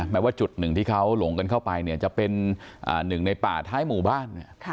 แม้ว่าจุดหนึ่งที่เขาหลงกันเข้าไปเนี่ยจะเป็นหนึ่งในป่าท้ายหมู่บ้าน